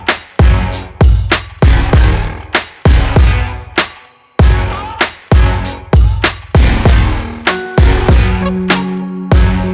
aku tak tahu apa yang